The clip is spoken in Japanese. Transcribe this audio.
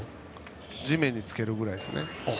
地面につけるぐらいですね。